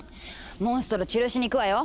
モンストロ治療しに行くわよ。